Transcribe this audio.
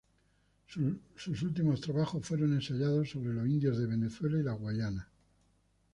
Sus últimos trabajos fueron ensayos sobre los indios de Venezuela y la Guayana.